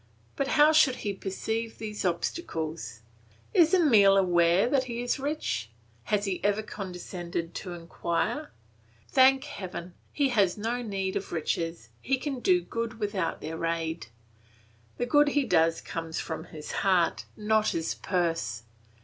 But how should he perceive these obstacles? Is Emile aware that he is rich? Has he ever condescended to inquire? Thank heaven, he has no need of riches, he can do good without their aid. The good he does comes from his heart, not his purse.